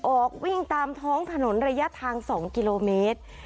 ออกวิ่งตามท้องถนนระยะทาง๒กิโลเมตร